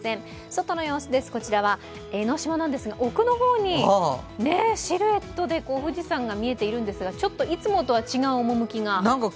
外の様子です、こちらは江の島なんですが奥の方にシルエットで富士山が見えているんですがちょっと、いつもとは違う趣が。